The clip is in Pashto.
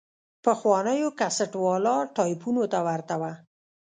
پخوانيو کسټ والا ټايپونو ته ورته وه.